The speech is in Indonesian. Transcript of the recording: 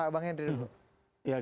bang hendry dulu